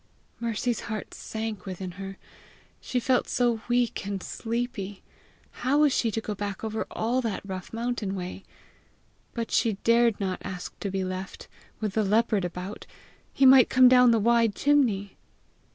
Mercy's heart sank within her she felt so weak and sleepy! How was she to go back over all that rough mountain way! But she dared not ask to be left with the leopard about! He might come down the wide chimney!